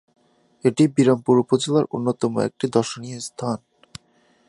এটি বিরামপুর উপজেলার অন্যতম একটি দর্শনীয় স্থান।